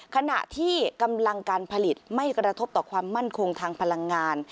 ขณะที่กำลังการผลิตไม่กระทบต่อความมั่นคงทางพลังงาน